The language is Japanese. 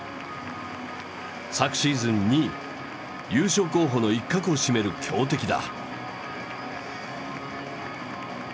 昨シーズン２位優勝候補の一角を占める強敵だ。